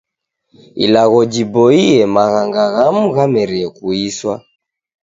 Ilagho jiboie maghanga ghamu ghamerie kuiswa.